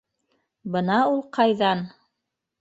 Бына ул ҡайҙан!